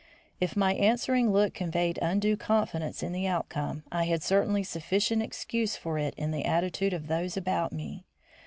If my answering look conveyed undue confidence in the outcome, I had certainly sufficient excuse for it in the attitude of those about me.